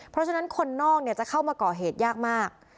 เพราะฉะนั้นคนนอกจะเข้ามาก่อเหตุยากมาก